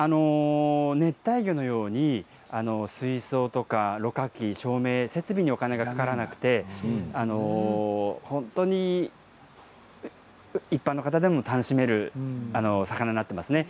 熱帯魚のように水槽とかろ過器、照明設備などそれがいらなくて本当に一般の方でも楽しめる魚になっています。